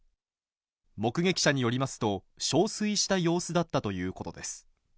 目撃者によりますと、しょうすいした様子だったということです。